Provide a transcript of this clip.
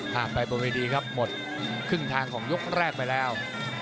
ไปบนเวทีครับหมดครึ่งทางของยกแรกไปแล้ว